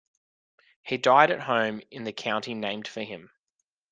He died at home in the county named for him.